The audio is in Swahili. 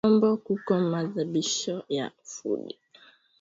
Ku vyombo kuko mahadibisho ya bufundi sana